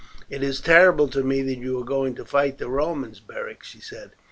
"It is terrible to me that you are going to fight the Romans, Beric," she said.